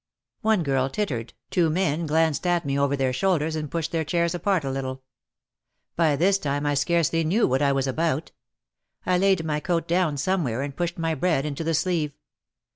One girl tittered, two men glanced at me over their no OUT OF THE SHADOW shoulders and pushed their chairs apart a little. By this time I scarcely knew what I was about. I laid my coat down somewhere and pushed my bread into the sleeve.